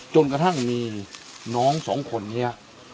จนกระทั่งมีน้องสองคนนี้